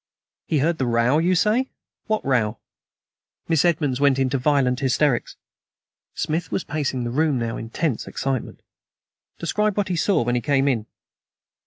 "He heard the row, you say. What row?" "Miss Edmonds went into violent hysterics!" Smith was pacing the room now in tense excitement. "Describe what he saw when he came in."